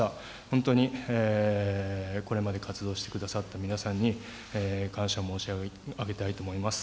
本当にこれまで活動してくださった皆さんに感謝を申し上げたいと思います。